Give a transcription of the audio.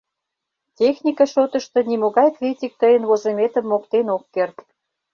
Техника шотышто нимогай критик тыйын возыметым моктен ок керт.